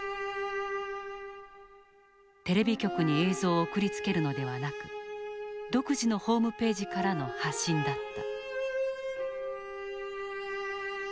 テレビ局に映像を送りつけるのではなく独自のホームページからの発信だった。